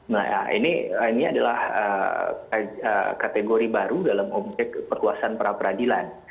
nah ini adalah kategori baru dalam objek perluasan pra peradilan